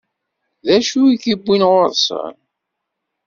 D acu i k-iwwin ɣur-sen?